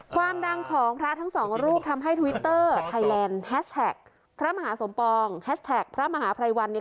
ความดังของพระทั้งสองรูปทำให้ทวิตเตอร์ไทยแลนด์แฮชแท็กพระมหาสมปองแฮชแท็กพระมหาภัยวันเนี่ย